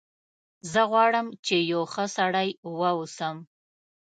زه غواړم چې یو ښه سړی و اوسم